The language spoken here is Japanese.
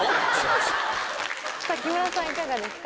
さぁ木村さんいかがですか？